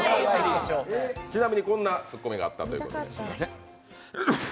ちなみにこんなツッコミがあったということで。